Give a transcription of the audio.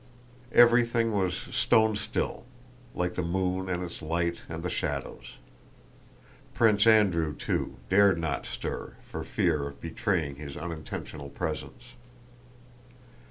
Everything was stone still, like the moon and its light and the shadows. Prince Andrew, too, dared not stir, for fear of betraying his unintentional presence.